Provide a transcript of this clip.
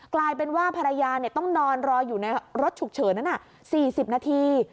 กลายเป็นว่าภรรยาต้องนอนรออยู่ในรถฉุกเฉินนั้น๔๐นาที